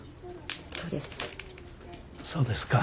そうですか。